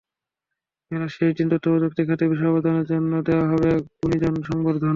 মেলার শেষ দিন তথ্যপ্রযুক্তি খাতে বিশেষ অবদানের জন্য দেওয়া হবে গুণীজন সংবর্ধনা।